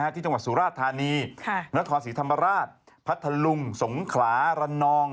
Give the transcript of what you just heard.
ที่จังหวัดสุราชธานีนครศรีธรรมราชพัทธลุงสงขลารันนอง